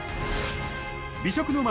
美食の街